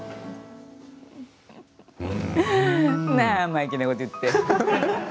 生意気なことを言って。